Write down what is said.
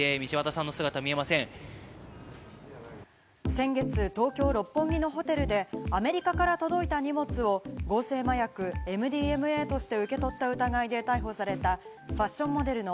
先月、東京・六本木のホテルでアメリカから届いた荷物を合成麻薬ＭＤＭＡとして受け取った疑いで逮捕された、ファッションモデルの